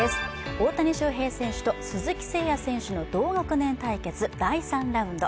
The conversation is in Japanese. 大谷翔平選手と鈴木誠也選手の同学年対決第３ラウンド。